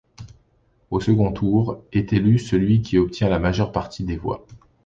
Au second tour, est élu celui qui obtient la majeure partie des voix.